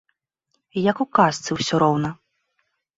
Як у казцы ўсё роўна.